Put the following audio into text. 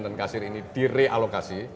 dan kasir ini di realokasi